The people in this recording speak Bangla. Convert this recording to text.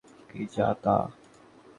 কি যা তা?